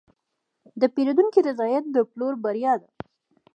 د پیرودونکي رضایت د پلور بریا ده.